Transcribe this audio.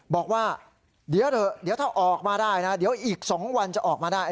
บอกว่าเดี๋ยวเถอะเดี๋ยวถ้าออกมาได้นะเดี๋ยวอีก๒วันจะออกมาได้